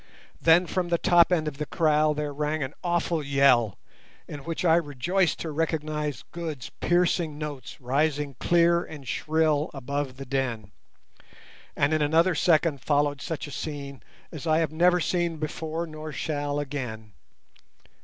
Then from the top end of the kraal there rang an awful yell, in which I rejoiced to recognize Good's piercing notes rising clear and shrill above the din, and in another second followed such a scene as I have never seen before nor shall again.